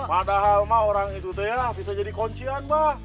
padahal ma orang itu tuh ya bisa jadi kuncian ma